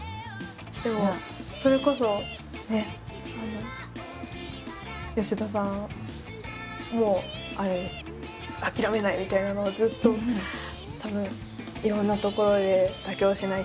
でもそれこそ吉田さんも「あきらめない！」みたいなのがずっとたぶんいろんなところで「妥協しない！」